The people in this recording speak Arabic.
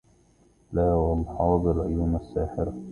لا وألحاظ العيون الساحره